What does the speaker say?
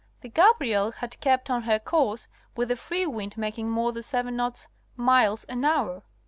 The Gabriel had kept on her course with a free wind making more than seven knots (miles) an hour.